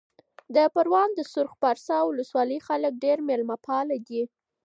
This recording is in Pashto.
د پروان د سرخ پارسا ولسوالۍ خلک ډېر مېلمه پاله دي.